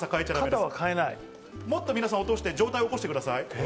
皆さん、もっと落として、上体を起こしてください。